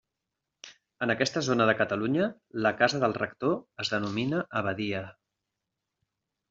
En aquesta zona de Catalunya, la casa del rector es denomina abadia.